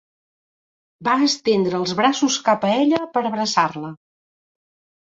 Va estendre els braços cap a ella per abraçar-la.